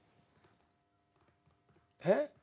えっ？